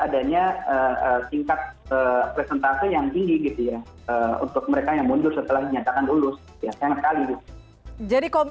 dinyatakan lulus tidak ada sekali jadi